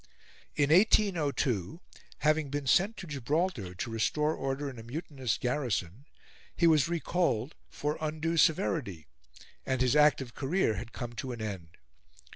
In 1802, having been sent to Gibraltar to restore order in a mutinous garrison, he was recalled for undue severity, and his active career had come to an end.